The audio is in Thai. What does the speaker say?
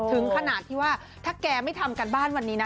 ถึงขนาดที่ว่าถ้าแกไม่ทำการบ้านวันนี้นะ